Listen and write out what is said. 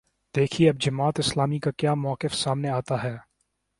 دیکھیے اب جماعت اسلامی کا کیا موقف سامنے آتا ہے۔